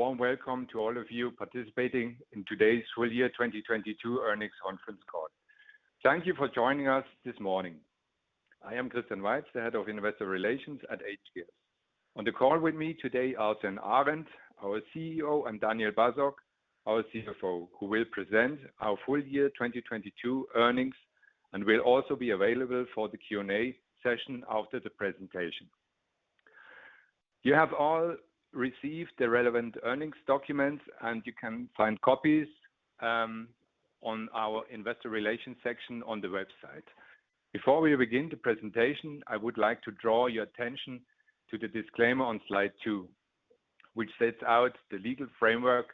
A warm welcome to all of you participating in today's full year 2022 earnings conference call. Thank you for joining us this morning. I am Christian Weiz, the Head of Investor Relations at hGears. On the call with me today are Sven Arend, our CEO, and Daniel Basok, our CFO, who will present our full year 2022 earnings and will also be available for the Q&A session after the presentation. You have all received the relevant earnings documents, and you can find copies on our investor relations section on the website. Before we begin the presentation, I would like to draw your attention to the disclaimer on slide two, which sets out the legal framework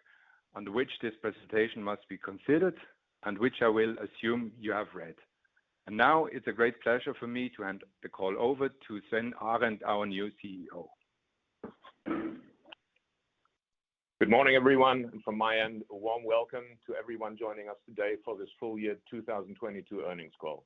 under which this presentation must be considered and which I will assume you have read. Now it's a great pleasure for me to hand the call over to Sven Arend, our new CEO. Good morning, everyone. From my end, a warm welcome to everyone joining us today for this full year 2022 earnings call.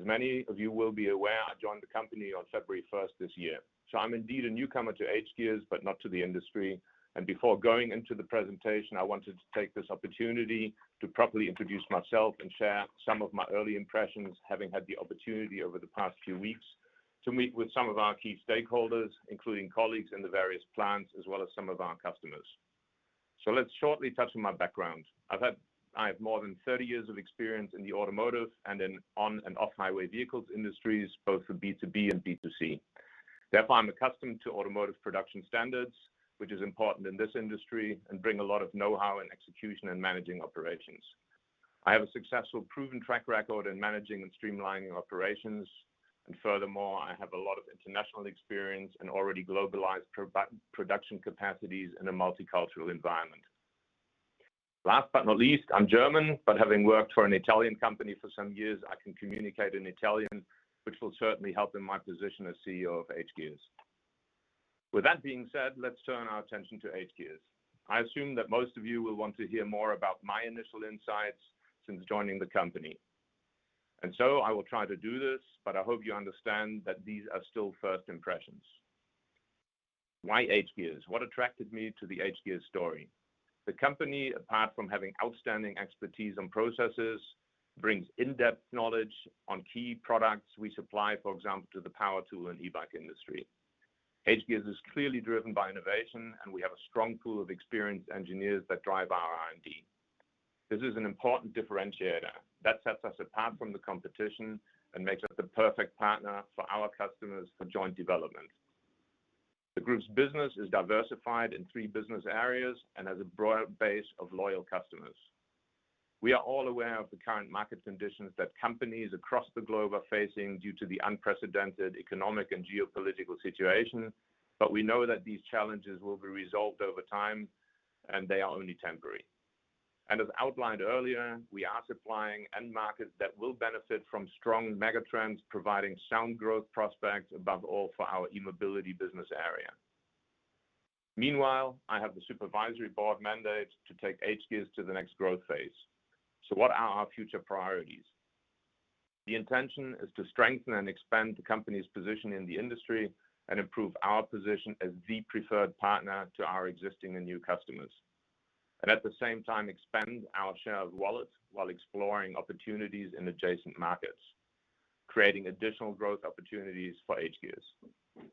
As many of you will be aware, I joined the company on February 1st this year, I'm indeed a newcomer to hGears but not to the industry. Before going into the presentation, I wanted to take this opportunity to properly introduce myself and share some of my early impressions, having had the opportunity over the past few weeks to meet with some of our key stakeholders, including colleagues in the various plants, as well as some of our customers. Let's shortly touch on my background. I have more than 30 years of experience in the automotive and in on and off highway vehicles industries, both for B2B and B2C. I'm accustomed to automotive production standards, which is important in this industry and bring a lot of know-how in execution and managing operations. I have a successful, proven track record in managing and streamlining operations. Furthermore, I have a lot of international experience and already globalized pro-production capacities in a multicultural environment. Last but not least, I'm German, but having worked for an Italian company for some years, I can communicate in Italian, which will certainly help in my position as CEO of hGears. With that being said, let's turn our attention to hGears. I assume that most of you will want to hear more about my initial insights since joining the company, and so I will try to do this, but I hope you understand that these are still first impressions. Why hGears? What attracted me to the hGears story? The company, apart from having outstanding expertise and processes, brings in-depth knowledge on key products we supply, for example, to the power tool and e-bike industry, hGears is clearly driven by innovation, and we have a strong pool of experienced engineers that drive our R&D. This is an important differentiator that sets us apart from the competition and makes us the perfect partner for our customers for joint development. The group's business is diversified in three business areas and has a broad base of loyal customers. We are all aware of the current market conditions that companies across the globe are facing due to the unprecedented economic and geopolitical situation, but we know that these challenges will be resolved over time, and they are only temporary. As outlined earlier, we are supplying end markets that will benefit from strong megatrends, providing sound growth prospects above all for our e-mobility business area. Meanwhile, I have the supervisory board mandate to take hGears to the next growth phase. What are our future priorities? The intention is to strengthen and expand the company's position in the industry and improve our position as the preferred partner to our existing and new customers. At the same time, expand our share of wallet while exploring opportunities in adjacent markets, creating additional growth opportunities for hGears.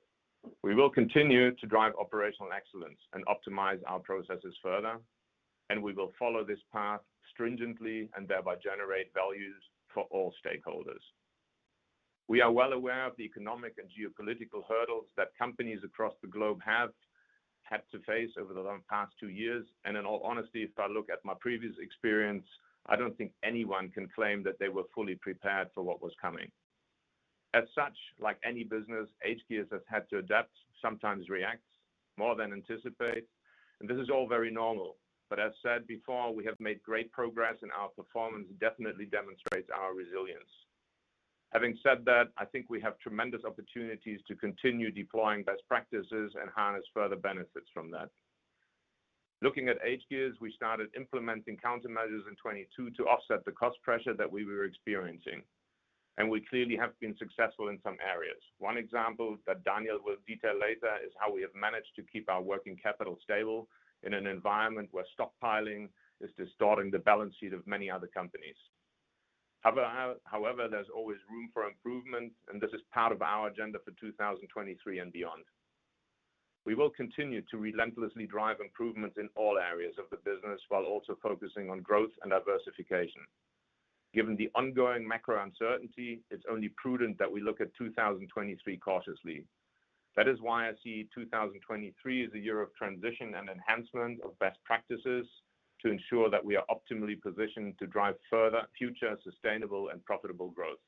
We will continue to drive operational excellence and optimize our processes further, and we will follow this path stringently and thereby generate values for all stakeholders. We are well aware of the economic and geopolitical hurdles that companies across the globe have had to face over the past two years. In all honesty, if I look at my previous experience, I don't think anyone can claim that they were fully prepared for what was coming. As such, like any business, hGears has had to adapt, sometimes react more than anticipate, and this is all very normal. As said before, we have made great progress, and our performance definitely demonstrates our resilience. Having said that, I think we have tremendous opportunities to continue deploying best practices and harness further benefits from that. Looking at hGears, we started implementing countermeasures in 2022 to offset the cost pressure that we were experiencing, and we clearly have been successful in some areas. One example that Daniel will detail later is how we have managed to keep our working capital stable in an environment where stockpiling is distorting the balance sheet of many other companies. However, there's always room for improvement, and this is part of our agenda for 2023 and beyond. We will continue to relentlessly drive improvements in all areas of the business while also focusing on growth and diversification. Given the ongoing macro uncertainty, it's only prudent that we look at 2023 cautiously. That is why I see 2023 as a year of transition and enhancement of best practices to ensure that we are optimally positioned to drive further future sustainable and profitable growth.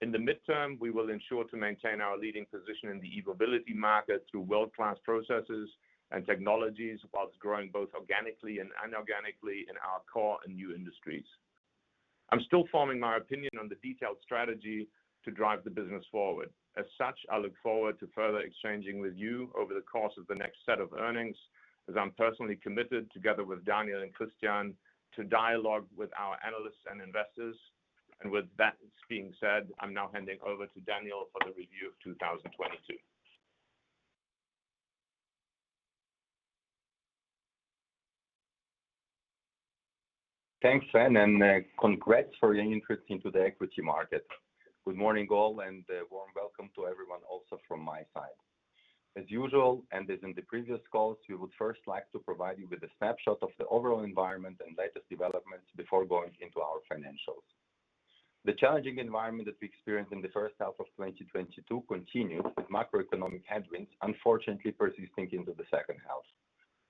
In the midterm, we will ensure to maintain our leading position in the e-mobility market through world-class processes and technologies whilst growing both organically and inorganically in our core and new industries. I'm still forming my opinion on the detailed strategy to drive the business forward. As such, I look forward to further exchanging with you over the course of the next set of earnings, as I'm personally committed, together with Daniel and Christian, to dialogue with our analysts and investors. With that being said, I'm now handing over to Daniel for the review of 2022. Thanks, Sven, and congrats for your entry into the equity market. Good morning all, and a warm welcome to everyone also from my side. As usual, and as in the previous calls, we would first like to provide you with a snapshot of the overall environment and latest developments before going into our financials. The challenging environment that we experienced in the first half of 2022 continued, with macroeconomic headwinds unfortunately persisting into the second half.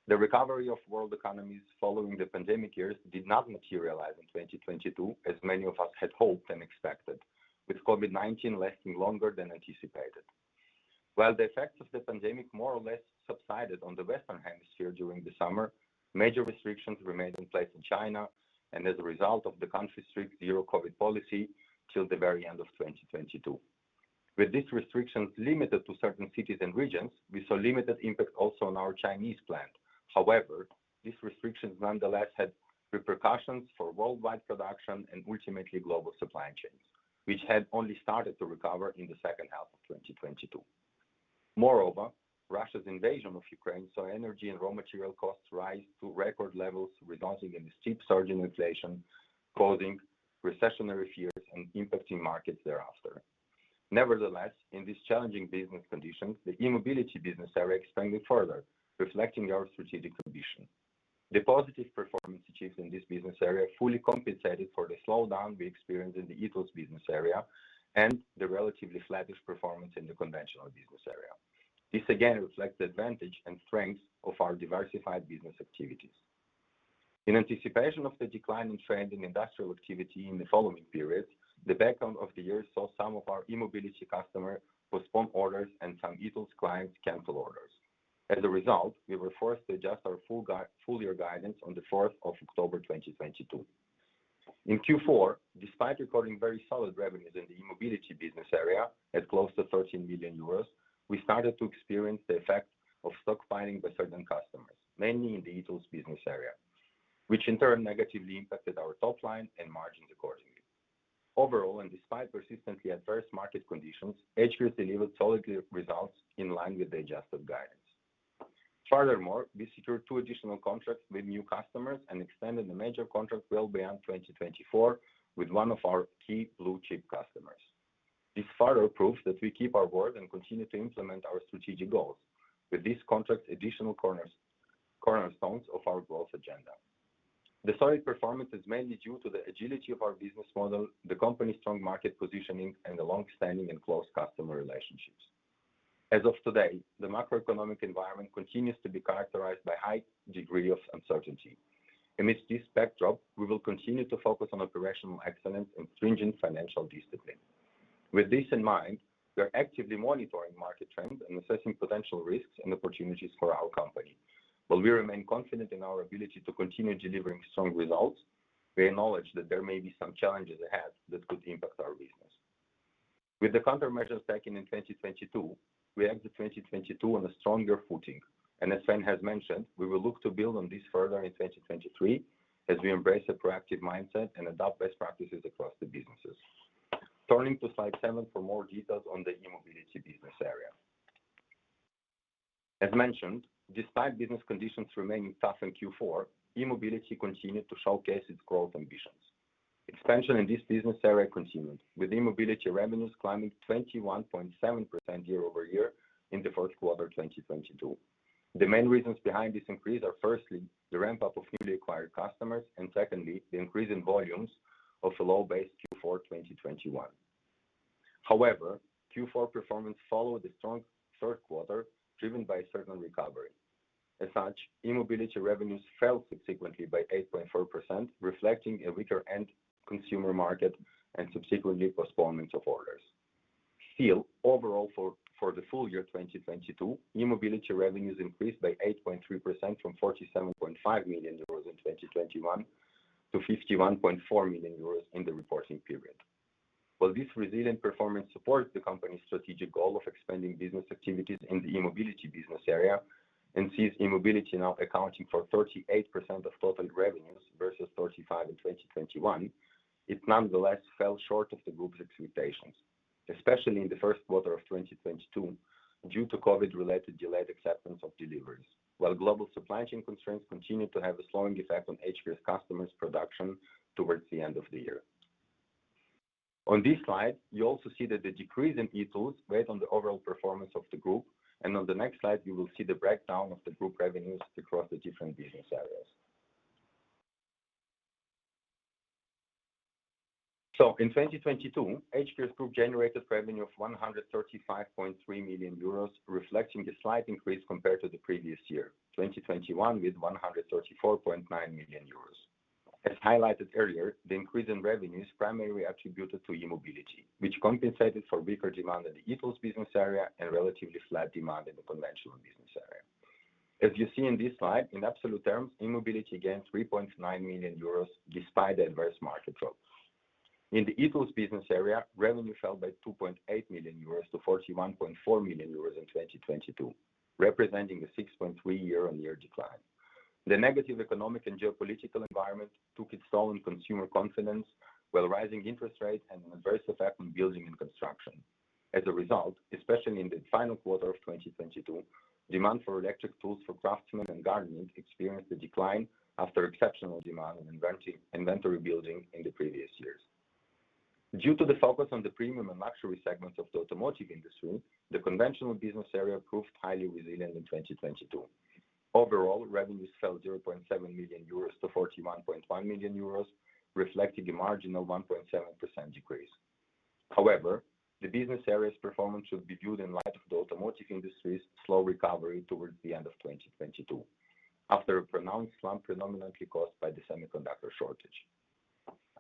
The recovery of world economies following the pandemic years did not materialize in 2022, as many of us had hoped and expected, with COVID-19 lasting longer than anticipated. While the effects of the pandemic more or less subsided on the Western Hemisphere during the summer, major restrictions remained in place in China, and as a result of the country's strict zero-COVID policy till the very end of 2022. With these restrictions limited to certain cities and regions, we saw limited impact also on our Chinese plant. However, these restrictions nonetheless had repercussions for worldwide production and ultimately global supply chains, which had only started to recover in the second half of 2022. Moreover, Russia's invasion of Ukraine saw energy and raw material costs rise to record levels, resulting in a steep surge in inflation, causing recessionary fears and impacting markets thereafter. Nevertheless, in these challenging business conditions, the e-mobility business area expanded further, reflecting our strategic condition. The positive performance achieved in this business area fully compensated for the slowdown we experienced in the e-tools business area and the relatively flattish performance in the conventional business area. This again reflects the advantage and strength of our diversified business activities. In anticipation of the decline in trending industrial activity in the following periods, the back half of the year saw some of our e-mobility customer postpone orders and some e-tools clients cancel orders. As a result, we were forced to adjust our full year guidance on the 4th of October 2022. In Q4, despite recording very solid revenues in the e-mobility business area at close to 13 million euros, we started to experience the effect of stockpiling by certain customers, mainly in the e-tools business area, which in turn negatively impacted our top line and margins accordingly. Overall, and despite persistently adverse market conditions, hGears delivered solid results in line with the adjusted guidance. Furthermore, we secured 2 additional contracts with new customers and extended a major contract well beyond 2024 with one of our key blue chip customers. This further proves that we keep our word and continue to implement our strategic goals. With this contract, additional cornerstones of our growth agenda. The solid performance is mainly due to the agility of our business model, the company's strong market positioning, and the long-standing and close customer relationships. As of today, the macroeconomic environment continues to be characterized by high degree of uncertainty. Amidst this backdrop, we will continue to focus on operational excellence and stringent financial discipline. With this in mind, we are actively monitoring market trends and assessing potential risks and opportunities for our company. While we remain confident in our ability to continue delivering strong results, we acknowledge that there may be some challenges ahead that could impact our business. With the countermeasures taken in 2022, we entered 2022 on a stronger footing. As Sven has mentioned, we will look to build on this further in 2023 as we embrace a proactive mindset and adopt best practices across the businesses. Turning to slide seven for more details on the e-mobility business area. As mentioned, despite business conditions remaining tough in Q4, e-mobility continued to showcase its growth ambitions. Expansion in this business area continued, with e-mobility revenues climbing 21.7% year-over-year in the first quarter 2022. The main reasons behind this increase are firstly, the ramp-up of newly acquired customers, and secondly, the increase in volumes of a low base Q4 2021. Q4 performance followed a strong third quarter, driven by a certain recovery. e-mobility revenues fell subsequently by 8.4%, reflecting a weaker end consumer market and subsequently postponement of orders. Still, overall for the full year 2022, e-mobility revenues increased by 8.3% from 47.5 million euros in 2021 to 51.4 million euros in the reporting period. While this resilient performance supports the company's strategic goal of expanding business activities in the e-mobility business area and sees e-mobility now accounting for 38% of total revenues versus 35% in 2021, it nonetheless fell short of the group's expectations, especially in the 1st quarter of 2022 due to COVID-related delayed acceptance of deliveries, while global supply chain constraints continued to have a slowing effect on HBS customers' production towards the end of the year. On this slide, you also see that the decrease in e-tools weighed on the overall performance of the hGears Group. On the next slide, you will see the breakdown of the hGears Group revenues across the different business areas. In 2022, hGears Group generated revenue of 135.3 million euros, reflecting a slight increase compared to the previous year, 2021, with 134.9 million euros. As highlighted earlier, the increase in revenue is primarily attributed to e-mobility, which compensated for weaker demand in the e-tools business area and relatively flat demand in the conventional business area. As you see in this slide, in absolute terms, e-mobility gained 3.9 million euros despite the adverse market drop. In the e-tools business area, revenue fell by 2.8 million euros to 41.4 million euros in 2022, representing a 6.3% year-on-year decline. The negative economic and geopolitical environment took its toll on consumer confidence, while rising interest rates had an adverse effect on building and construction. As a result, especially in the final quarter of 2022, demand for electric tools for craftsmen and gardening experienced a decline after exceptional demand and inventory building in the previous years. Due to the focus on the premium and luxury segments of the automotive industry, the conventional business area proved highly resilient in 2022. Overall, revenues fell 0.7 million euros to 41.1 million euros, reflecting a marginal 1.7% decrease. However, the business area's performance should be viewed in light of the automotive industry's slow recovery towards the end of 2022 after a pronounced slump predominantly caused by the semiconductor shortage.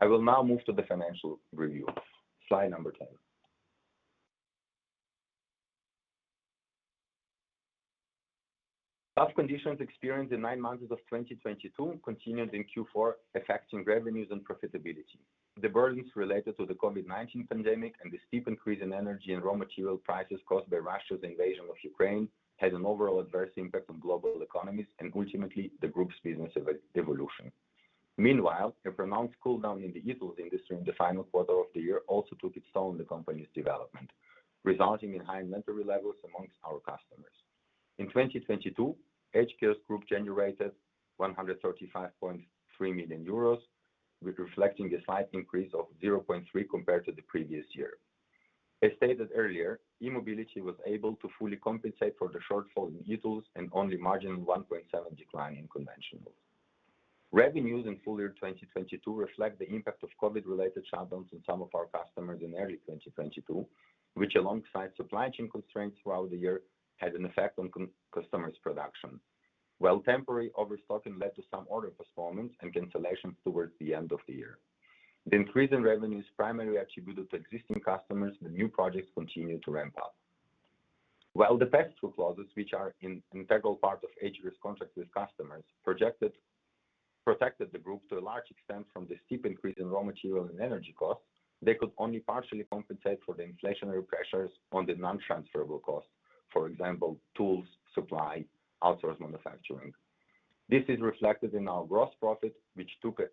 I will now move to the financial review. Slide number 10. Tough conditions experienced in 9 months of 2022 continued in Q4, affecting revenues and profitability. The burdens related to the COVID-19 pandemic and the steep increase in energy and raw material prices caused by Russia's invasion of Ukraine had an overall adverse impact on global economies and ultimately the group's business evolution. Meanwhile, a pronounced cooldown in the e-tools industry in the final quarter of the year also took its toll on the company's development, resulting in high inventory levels amongst our customers. In 2022, hGears Group generated 135.3 million euros, with reflecting a slight increase of 0.3% compared to the previous year. As stated earlier, e-mobility was able to fully compensate for the shortfall in e-tools and only marginal 1.7% decline in conventional. Revenues in full year 2022 reflect the impact of COVID-related shutdowns in some of our customers in early 2022, which alongside supply chain constraints throughout the year, had an effect on customers' production. While temporary overstocking led to some order performance and cancellations towards the end of the year, the increase in revenues primarily attributed to existing customers and new projects continued to ramp up. While the pass-through clauses, which are an integral part of hGears contracts with customers, protected the group to a large extent from the steep increase in raw material and energy costs, they could only partially compensate for the inflationary pressures on the non-transferable costs. For example, tools, supply, outsourced manufacturing. This is reflected in our gross profit, which took an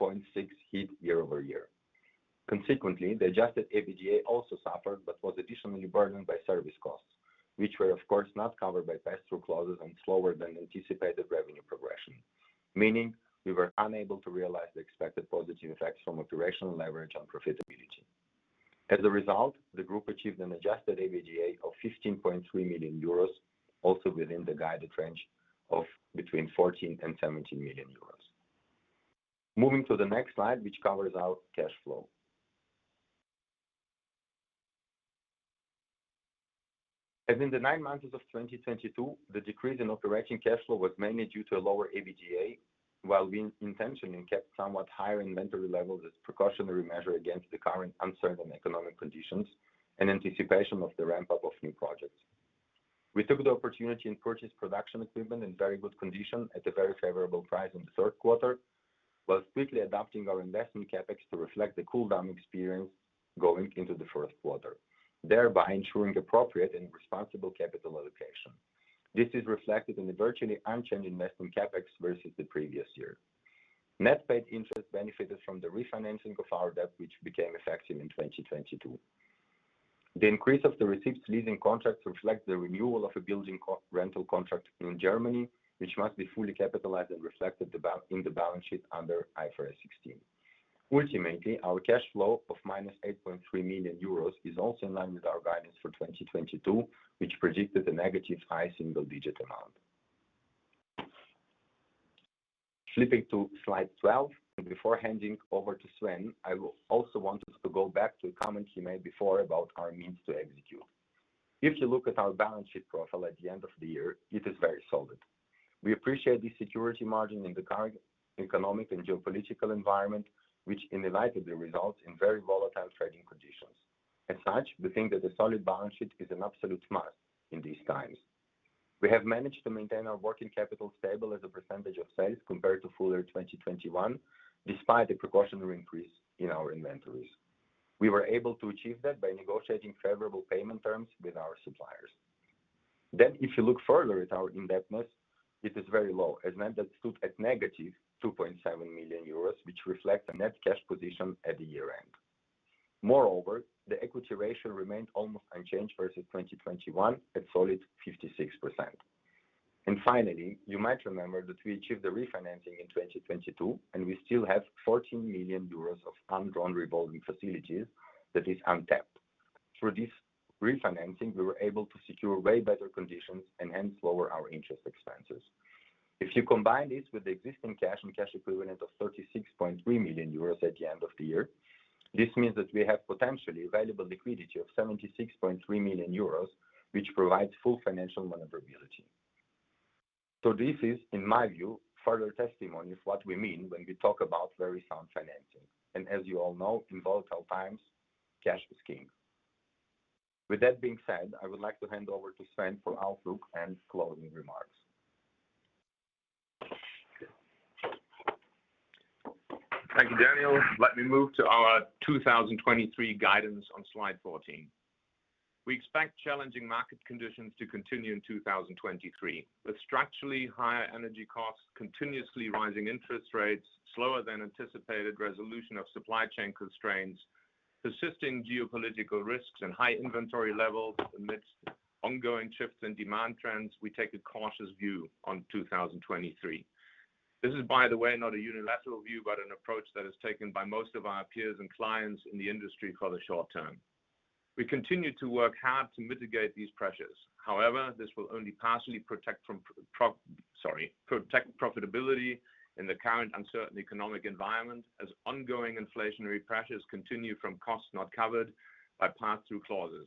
8.6 hit year-over-year. Consequently, the adjusted EBITDA also suffered, but was additionally burdened by service costs, which were of course not covered by pass-through clauses and slower than anticipated revenue progression, meaning we were unable to realize the expected positive effects from operational leverage on profitability. As a result, the group achieved an adjusted EBITDA of 15.3 million euros, also within the guided range of between 14 million and 17 million euros. Moving to the next slide, which covers our cash flow. As in the nine months of 2022, the decrease in operating cash flow was mainly due to a lower EBITDA, while we intentionally kept somewhat higher inventory levels as a precautionary measure against the current uncertain economic conditions in anticipation of the ramp-up of new projects. We took the opportunity and purchased production equipment in very good condition at a very favorable price in the third quarter, while strictly adapting our investment CapEx to reflect the cooldown experience going into the first quarter, thereby ensuring appropriate and responsible capital allocation. This is reflected in the virtually unchanged investment CapEx versus the previous year. Net paid interest benefited from the refinancing of our debt, which became effective in 2022. The increase of the received leasing contracts reflects the renewal of a building rental contract in Germany, which must be fully capitalized and reflected in the balance sheet under IFRS 16. Ultimately, our cash flow of minus 8.3 million euros is also in line with our guidance for 2022, which predicted a negative high single-digit amount. Flipping to slide 12, and before handing over to Sven, I will also want us to go back to a comment he made before about our means to execute. If you look at our balance sheet profile at the end of the year, it is very solid. We appreciate the security margin in the current economic and geopolitical environment, which inevitably results in very volatile trading conditions. As such, we think that a solid balance sheet is an absolute must in these times. We have managed to maintain our working capital stable as a percentage of sales compared to full year 2021, despite the precautionary increase in our inventories. We were able to achieve that by negotiating favorable payment terms with our suppliers. If you look further at our indebtedness, it is very low, as net debt stood at -2.7 million euros, which reflects a net cash position at the year-end. Moreover, the equity ratio remained almost unchanged versus 2021 at solid 56%. Finally, you might remember that we achieved the refinancing in 2022, and we still have 14 million euros of undrawn revolving facilities that is untapped. Through this refinancing, we were able to secure way better conditions and hence lower our interest expenses. If you combine this with the existing cash and cash equivalent of 36.3 million euros at the end of the year, this means that we have potentially available liquidity of 76.3 million euros, which provides full financial maneuverability. This is, in my view, further testimony of what we mean when we talk about very sound financing. As you all know, in volatile times, cash is king. With that being said, I would like to hand over to Sven for outlook and closing remarks. Let me move to our 2023 guidance on slide 14. We expect challenging market conditions to continue in 2023, with structurally higher energy costs, continuously rising interest rates, slower than anticipated resolution of supply chain constraints, persisting geopolitical risks and high inventory levels amidst ongoing shifts in demand trends, we take a cautious view on 2023. This is, by the way, not a unilateral view, but an approach that is taken by most of our peers and clients in the industry for the short term. We continue to work hard to mitigate these pressures. This will only partially protect from sorry, protect profitability in the current uncertain economic environment as ongoing inflationary pressures continue from costs not covered by pass-through clauses.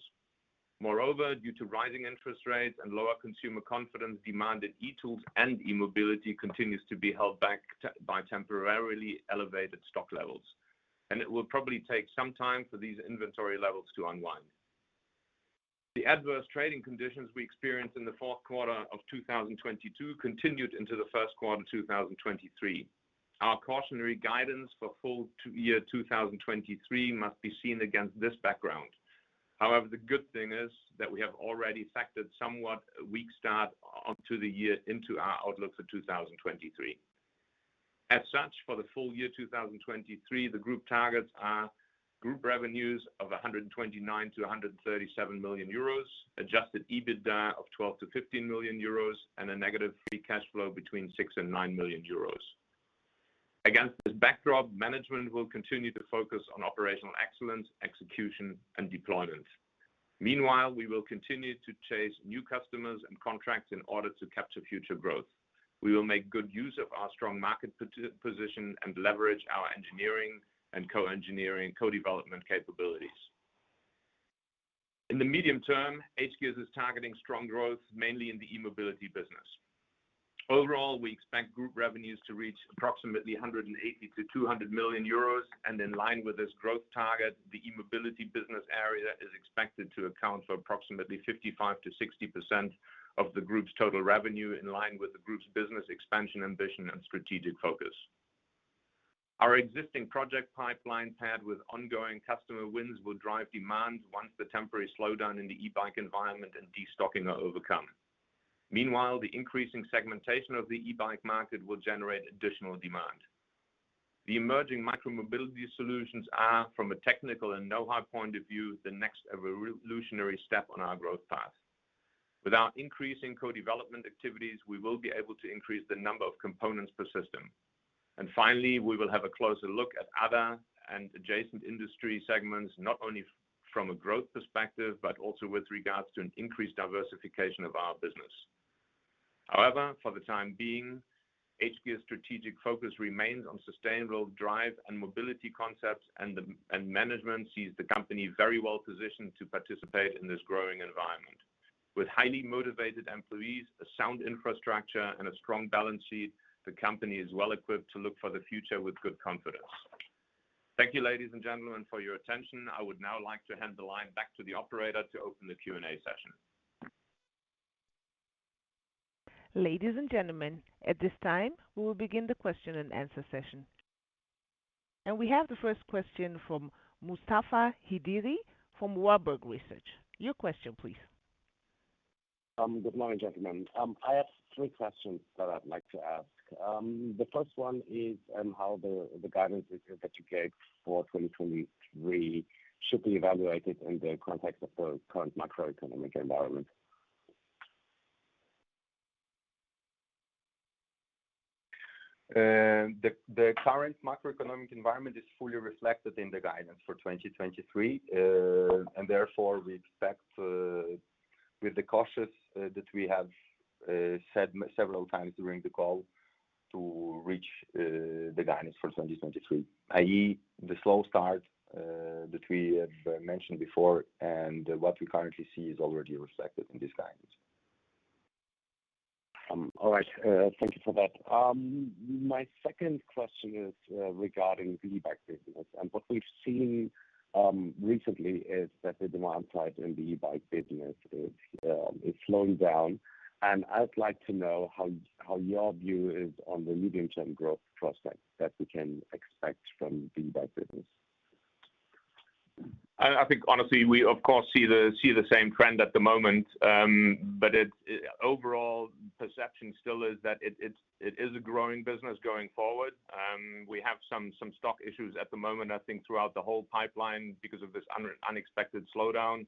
Due to rising interest rates and lower consumer confidence, demand in e-tools and e-mobility continues to be held back by temporarily elevated stock levels, and it will probably take some time for these inventory levels to unwind. The adverse trading conditions we experienced in the fourth quarter of 2022 continued into the first quarter 2023. Our cautionary guidance for full year 2023 must be seen against this background. The good thing is that we have already factored somewhat a weak start on to the year into our outlook for 2023. For the full year 2023, the group targets are group revenues of 129 million-137 million euros, adjusted EBITDA of 12 million-15 million euros, and a negative free cash flow between 6 million and 9 million euros. Against this backdrop, management will continue to focus on operational excellence, execution and deployment. Meanwhile, we will continue to chase new customers and contracts in order to capture future growth. We will make good use of our strong market position and leverage our engineering and co-engineering, co-development capabilities. In the medium term, hGears is targeting strong growth, mainly in the e-mobility business. Overall, we expect group revenues to reach approximately 180 million-200 million euros. In line with this growth target, the e-mobility business area is expected to account for approximately 55%-60% of the group's total revenue, in line with the group's business expansion ambition and strategic focus. Our existing project pipeline, paired with ongoing customer wins, will drive demand once the temporary slowdown in the e-bike environment and destocking are overcome. Meanwhile, the increasing segmentation of the e-bike market will generate additional demand. The emerging micromobility solutions are, from a technical and know-how point of view, the next revolutionary step on our growth path. Without increasing co-development activities, we will be able to increase the number of components per system. Finally, we will have a closer look at other and adjacent industry segments, not only from a growth perspective, but also with regards to an increased diversification of our business. However, for the time being, hGears strategic focus remains on sustainable drive and mobility concepts and management sees the company very well positioned to participate in this growing environment. With highly motivated employees, a sound infrastructure and a strong balance sheet, the company is well equipped to look for the future with good confidence. Thank you, ladies and gentlemen, for your attention. I would now like to hand the line back to the operator to open the Q&A session. Ladies and gentlemen, at this time, we will begin the question and answer session. We have the first question from Mustafa Hidir from Warburg Research. Your question, please. Good morning, gentlemen. I have three questions that I'd like to ask. The first one is on how the guidance that you gave for 2023 should be evaluated in the context of the current macroeconomic environment. The current macroeconomic environment is fully reflected in the guidance for 2023. Therefore, we expect, with the cautious that we have said several times during the call to reach the guidance for 2023, i.e. the slow start that we have mentioned before and what we currently see is already reflected in this guidance. All right. Thank you for that. My second question is regarding the e-bike business. What we've seen recently is that the demand side in the e-bike business is slowing down. I would like to know how your view is on the medium-term growth prospects that we can expect from the e-bike business. I think honestly, we of course, see the same trend at the moment. Overall perception still is that it is a growing business going forward. We have some stock issues at the moment, I think, throughout the whole pipeline because of this unexpected slowdown.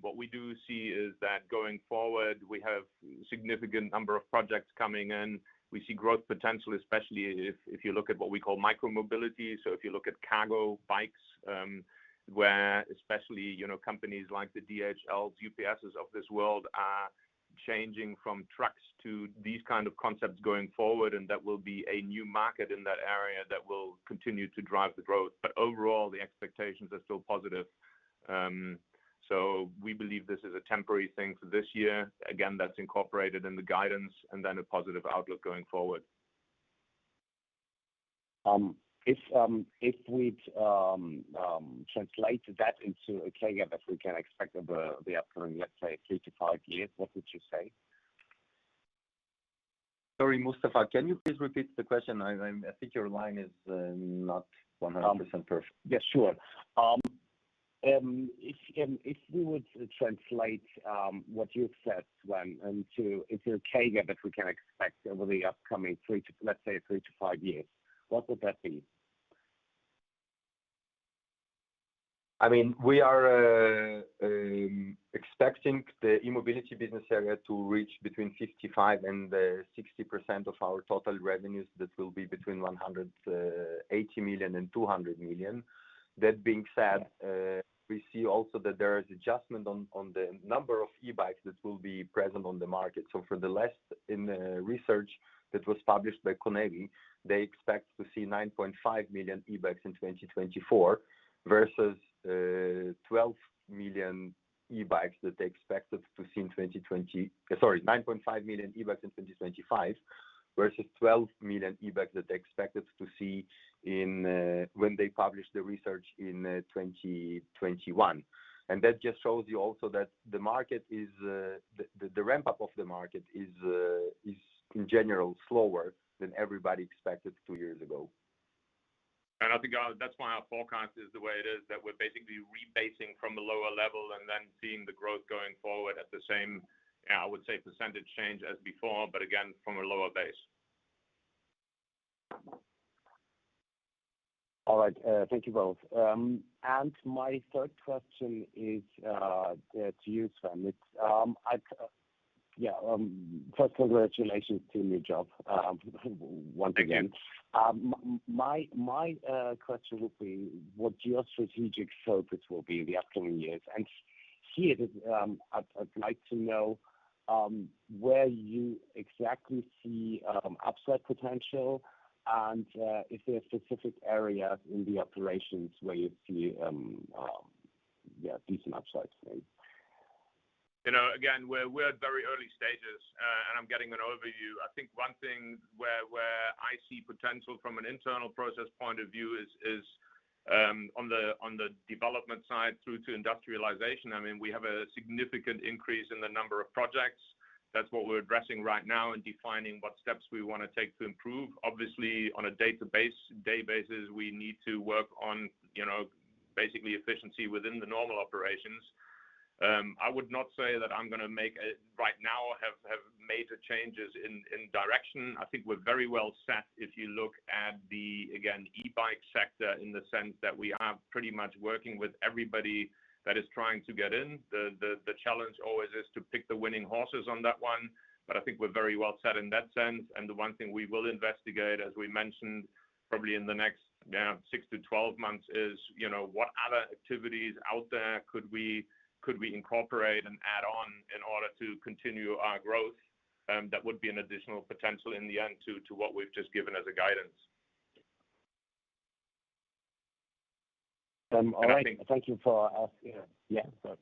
What we do see is that going forward, we have significant number of projects coming in. We see growth potential, especially if you look at what we call micromobility. If you look at cargo bikes, where especially, you know, companies like the DHLs, UPSs of this world are changing from trucks to these kind of concepts going forward. That will be a new market in that area that will continue to drive the growth. Overall, the expectations are still positive. We believe this is a temporary thing for this year. Again, that's incorporated in the guidance and then a positive outlook going forward. If we'd translate that into a CAGR that we can expect over the upcoming, let's say three to five years, what would you say? Sorry, Mustafa, can you please repeat the question? I think your line is not 100% perfect. Yeah, sure. If you would translate what you said if your CAGR that we can expect over the upcoming three to, let's say three to five years, what would that be? I mean, we are expecting the e-mobility business area to reach between 55% and 60% of our total revenues. That will be between 180 million and 200 million. That being said, we see also that there is adjustment on the number of e-bikes that will be present on the market. In the research that was published by CONEBI, they expect to see 9.5 million e-bikes in 2024 versus 12 million e-bikes that they expected to see. Sorry, 9.5 million e-bikes in 2025 versus 12 million e-bikes that they expected to see when they published the research in 2021. That just shows you also that the market is, the ramp up of the market is in general slower than everybody expected two years ago. I think, that's why our forecast is the way it is, that we're basically rebasing from a lower level and then seeing the growth going forward at the same, I would say percentage change as before, but again, from a lower base. All right. Thank you both. My third question is to you, Sven. It's first, congratulations to your new job, once again. My question would be what geostrategic focus will be in the upcoming years? I'd like to know where you exactly see upside potential and if there are specific areas in the operations where you see decent upside potential. You know, again, we're at very early stages. I'm getting an overview. I think one thing where I see potential from an internal process point of view is on the development side through to industrialization. I mean, we have a significant increase in the number of projects. That's what we're addressing right now and defining what steps we wanna take to improve. Obviously, on a day basis, we need to work on, you know, basically efficiency within the normal operations. I would not say that I'm gonna right now have major changes in direction. I think we're very well set if you look at the, again, e-bike sector in the sense that we are pretty much working with everybody that is trying to get in. The challenge always is to pick the winning horses on that one. I think we're very well set in that sense. The one thing we will investigate, as we mentioned, probably in the next, yeah, six to 12 months, is, you know, what other activities out there could we incorporate and add on in order to continue our growth, that would be an additional potential in the end to what we've just given as a guidance. All right. Thank you for asking. Yeah. Sorry.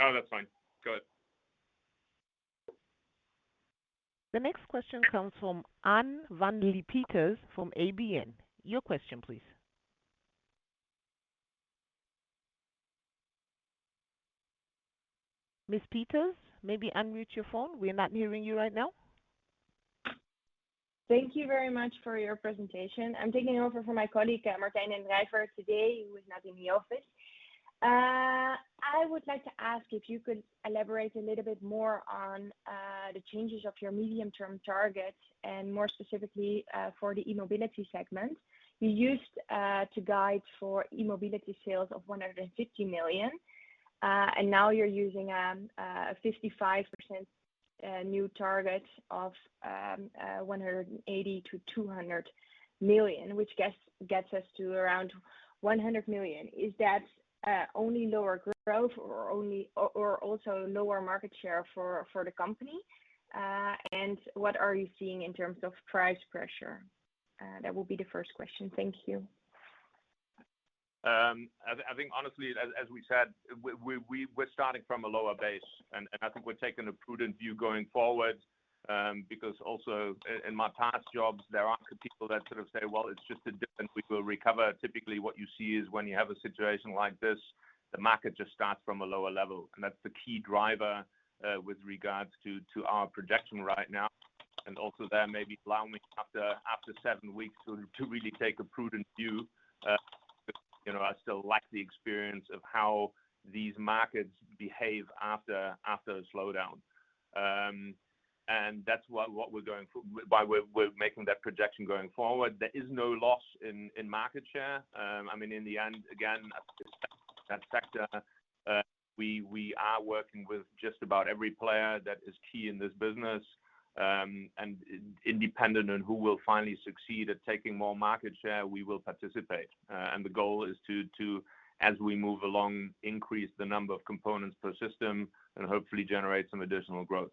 No, that's fine. Go ahead. The next question comes from Anne Van Lie Peters from ABN. Your question, please. Ms. Peters, maybe unmute your phone. We're not hearing you right now. Thank you very much for your presentation. I'm taking over from my colleague, Martijn den Drijver, today, who is not in the office. I would like to ask if you could elaborate a little bit more on the changes of your medium-term target, and more specifically, for the e-mobility segment. You used to guide for e-mobility sales of 150 million, and now you're using a 55% new target of 180 million-200 million, which gets us to around 100 million. Is that only lower growth or also lower market share for the company? What are you seeing in terms of price pressure? That will be the first question. Thank you. I think honestly, as we said, we're starting from a lower base, and I think we're taking a prudent view going forward, because also in my past jobs, there aren't people that sort of say, "Well, it's just a dip, and we will recover." Typically, what you see is when you have a situation like this, the market just starts from a lower level, and that's the key driver with regards to our projection right now. Also there may be allow me after seven weeks to really take a prudent view. You know, I still lack the experience of how these markets behave after a slowdown. That's what we're going for. By way, we're making that projection going forward. There is no loss in market share. I mean, in the end, again, that's just that sector. We are working with just about every player that is key in this business, and independent on who will finally succeed at taking more market share, we will participate. The goal is to, as we move along, increase the number of components per system and hopefully generate some additional growth.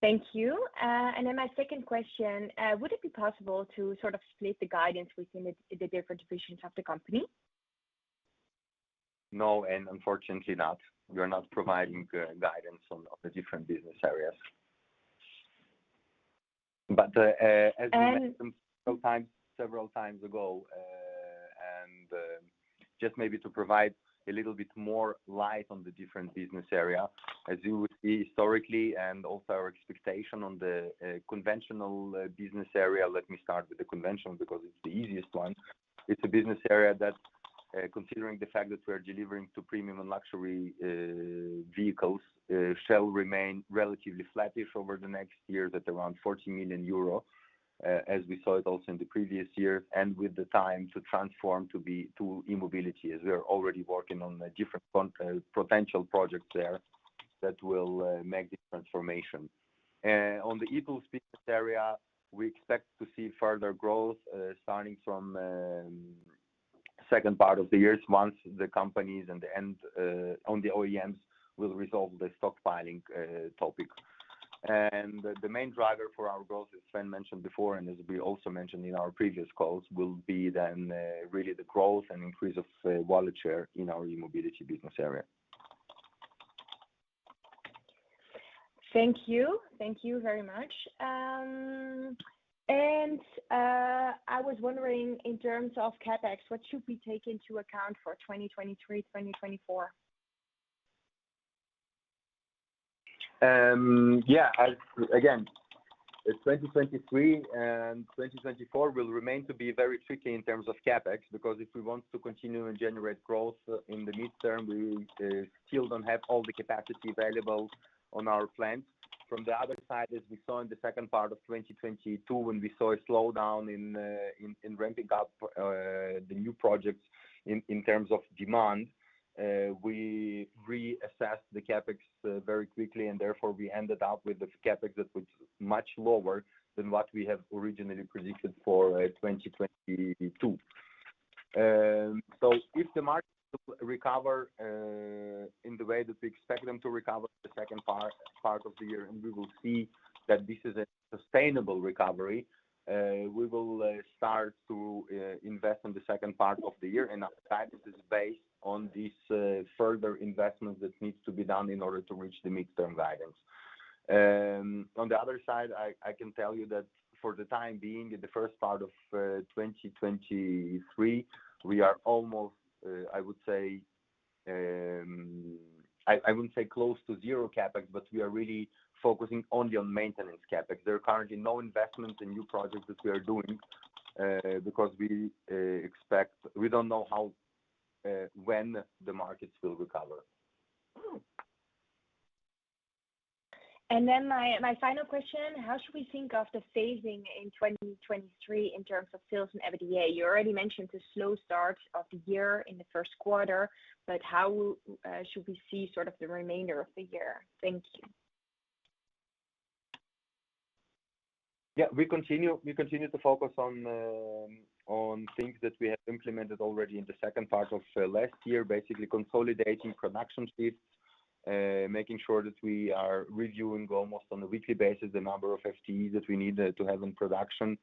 Thank you. Then my second question, would it be possible to sort of split the guidance within the different divisions of the company? No, unfortunately not. We are not providing guidance on the different business areas. As we mentioned several times ago, and just maybe to provide a little bit more light on the different business area, as you would see historically and also our expectation on the conventional business area. Let me start with the conventional because it's the easiest one. It's a business area that, considering the fact that we are delivering to premium and luxury vehicles, shall remain relatively flattish over the next year at around 40 million euro, as we saw it also in the previous years, and with the time to transform to e-mobility, as we are already working on different potential projects there that will make the transformation. On the e-tools business area, we expect to see further growth, starting from second part of the year once the companies and the OEMs will resolve the stockpiling topic. The main driver for our growth, as Sven mentioned before, and as we also mentioned in our previous calls, will be then really the growth and increase of wallet share in our e-mobility business area. Thank you. Thank you very much. I was wondering, in terms of CapEx, what should we take into account for 2023/2024? Yeah. Again, 2023 and 2024 will remain to be very tricky in terms of CapEx, because if we want to continue and generate growth in the mid-term, we still don't have all the capacity available on our plans. From the other side, as we saw in the second part of 2022, when we saw a slowdown in ramping up the new projects in terms of demand, we reassessed the CapEx very quickly, and therefore we ended up with a CapEx that was much lower than what we have originally predicted for 2022. cover in the way that we expect them to recover the second part of the year, and we will see that this is a sustainable recovery. We will start to invest in the second part of the year. That guidance is based on this further investment that needs to be done in order to reach the midterm guidance. On the other side, I can tell you that for the time being, in the first part of 2023, we are almost, I would say, I wouldn't say close to zero CapEx, but we are really focusing only on maintenance CapEx. There are currently no investment in new projects that we are doing because we expect. We don't know when the markets will recover My final question. How should we think of the phasing in 2023 in terms of sales and EBITDA? You already mentioned the slow start of the year in the first quarter, how should we see sort of the remainder of the year? Thank you. Yeah. We continue to focus on things that we have implemented already in the second part of last year. Basically consolidating production shifts, making sure that we are reviewing almost on a weekly basis the number of FTEs that we need to have in production.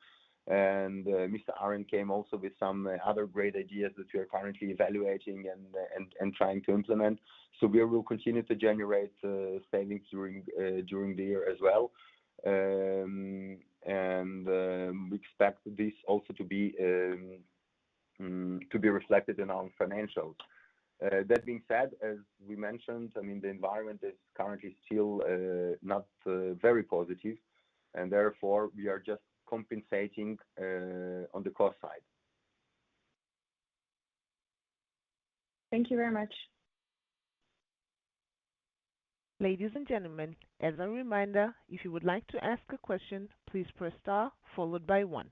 Mr. Arend came also with some other great ideas that we are currently evaluating and trying to implement. We will continue to generate savings during the year as well. We expect this also to be reflected in our financials. That being said, as we mentioned, I mean, the environment is currently still not very positive and therefore we are just compensating on the cost side. Thank you very much. Ladies and gentlemen, as a reminder, if you would like to ask a question, please press star followed by one.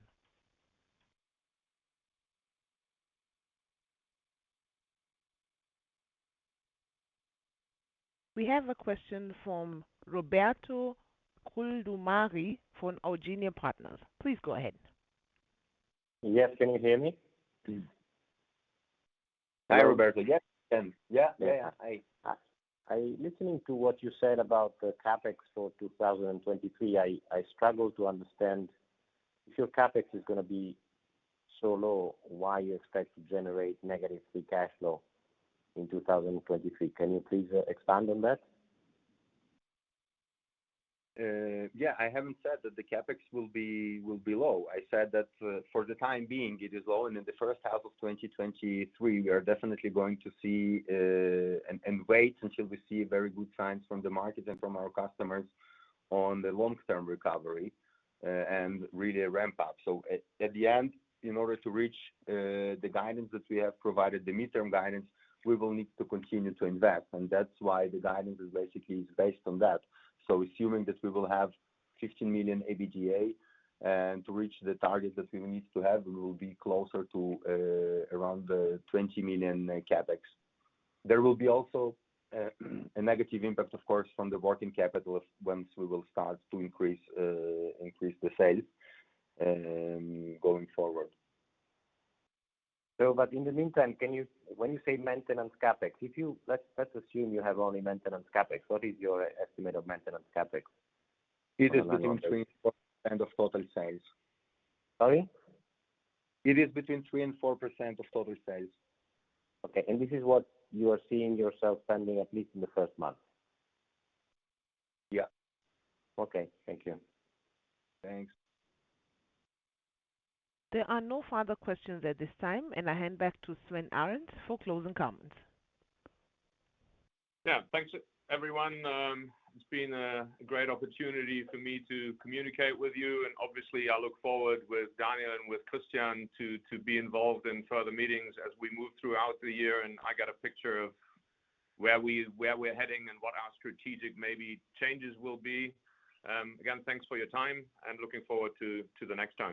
We have a question from Roberto [Uldumari] from [Orginia Partners]. Please go ahead. Yes. Can you hear me? Mm-hmm. Hello. Hi, Roberto. Yes, can. Yeah. Yeah. Hi. Listening to what you said about the CapEx for 2023, I struggle to understand if your CapEx is gonna be so low, why you expect to generate negative free cash flow in 2023. Can you please expand on that? Yeah, I haven't said that the CapEx will be low. I said that for the time being it is low. In the first half of 2023, we are definitely going to see and wait until we see very good signs from the market and from our customers on the long-term recovery and really ramp up. At the end, in order to reach the guidance that we have provided, the midterm guidance, we will need to continue to invest. That's why the guidance is basically based on that. Assuming that we will have 15 million EBITDA to reach the target that we will need to have, we will be closer to around 20 million CapEx. There will be also a negative impact, of course, from the working capital once we will start to increase the sales going forward. In the meantime, when you say maintenance CapEx, let's assume you have only maintenance CapEx. What is your estimate of maintenance CapEx on a run rate? It is between 3% and 4% of total sales. Sorry? It is between 3% and 4% of total sales. Okay. This is what you are seeing yourself spending at least in the first month? Yeah. Okay. Thank you. Thanks. There are no further questions at this time, and I hand back to Sven Arend for closing comments. Yeah. Thanks, everyone. It's been a great opportunity for me to communicate with you, and obviously I look forward with Daniel and with Christian to be involved in further meetings as we move throughout the year and I get a picture of where we're heading and what our strategic maybe changes will be. Again, thanks for your time and looking forward to the next opportunity